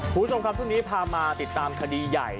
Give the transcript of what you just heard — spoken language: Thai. ผู้สมครับทุกนี้พามาติดตามขดีใหญ่